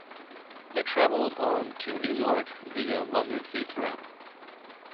They travelled on to New York via London Heathrow